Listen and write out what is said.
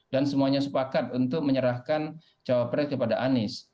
dan semuanya sepakat untuk menyerahkan cawapres kepada anies